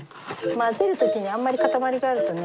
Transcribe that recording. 混ぜる時にあんまり塊があるとね。